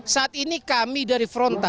saat ini kami dari fronta